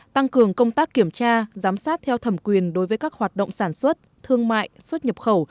tăng cường công tác kiểm tra giám sát theo thẩm quyền đối với các hoạt động sản xuất thương mại xuất nhập khẩu